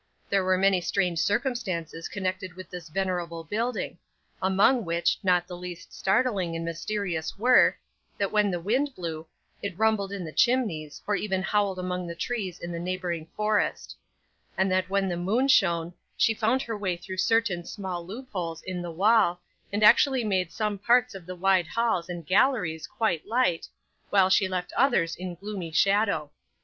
There were many strange circumstances connected with this venerable building, among which, not the least startling and mysterious were, that when the wind blew, it rumbled in the chimneys, or even howled among the trees in the neighbouring forest; and that when the moon shone, she found her way through certain small loopholes in the wall, and actually made some parts of the wide halls and galleries quite light, while she left others in gloomy shadow.